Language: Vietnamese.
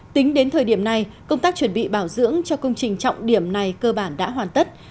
tính đến thời điểm này công tác chuẩn bị bảo dưỡng cho công trình trọng điểm này cơ bản đã hoàn tất